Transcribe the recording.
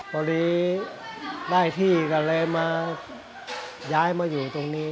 พอดีได้ที่ก็เลยมาย้ายมาอยู่ตรงนี้